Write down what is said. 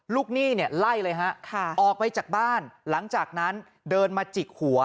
หนี้เนี่ยไล่เลยฮะออกไปจากบ้านหลังจากนั้นเดินมาจิกหัว